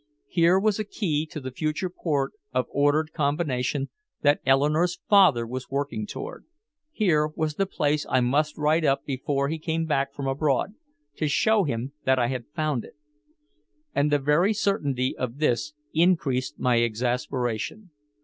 Here was a key to the future port of ordered combination that Eleanore's father was working toward. Here was the place I must write up before he came back from abroad, to show him that I had found it. And the very certainty of this increased my exasperation.